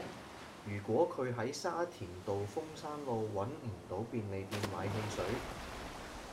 如果佢喺沙田道風山路搵唔到便利店買汽水